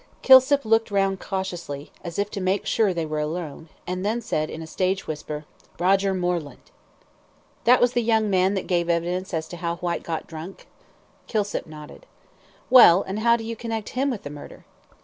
Kilsip looked round cautiously, as if to make sure they were alone, and then said, in a stage whisper "Roger Moreland!" "That was the young man that gave evidence as to how Whyte got drunk?" Kilsip nodded. "Well, and how do you connect him with the murder?"